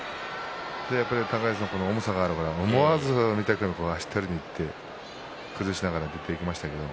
高安は重さがあるから思わず御嶽海、足を取りにいって崩しながら出ていきましたけれど。